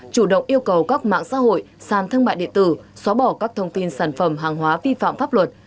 chủ động yêu cầu các mạng xã hội sàn thương mại điện tử xóa bỏ các thông tin sản phẩm hàng hóa vi phạm pháp luật